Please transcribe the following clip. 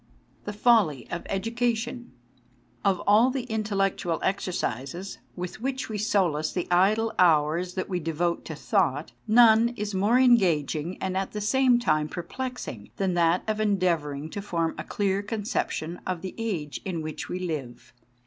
THE FOLLY OF EDUCATION OF all the intellectual exercises with which we solace the idle hours that we devote to thought, none is more engaging and at the same time perplexing than that of endeav ouring to form a clear conception of the age in which we live.